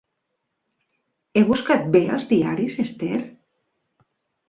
He buscat bé als diaris, Esther.